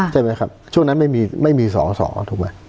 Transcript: ใช่ไหมครับช่วงนั้นไม่มีไม่มีสองสอ